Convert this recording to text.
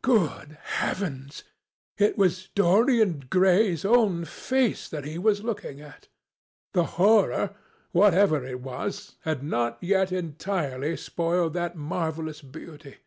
Good heavens! it was Dorian Gray's own face that he was looking at! The horror, whatever it was, had not yet entirely spoiled that marvellous beauty.